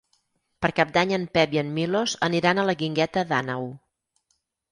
Per Cap d'Any en Pep i en Milos aniran a la Guingueta d'Àneu.